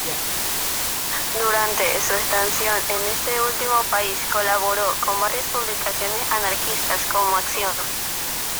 Durante su estancia en este último país colaboró con varias publicaciones anarquistas, como "Acción".